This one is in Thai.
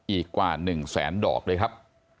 อีกกว่า๑แสนดอกด้วยครับ